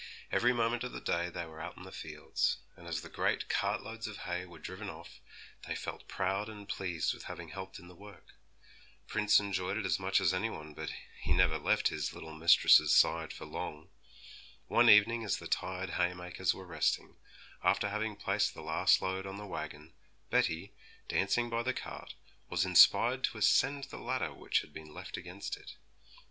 Every moment of the day they were out in the fields; and as the great cart loads of hay were driven off, they felt proud and pleased with having helped in the work. Prince enjoyed it as much as any one; but he never left his little mistress's side for long. One evening, as the tired haymakers were resting, after having placed the last load on the wagon, Betty, dancing by the cart, was inspired to ascend the ladder which had been left against it.